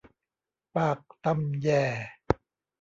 ปากตำแย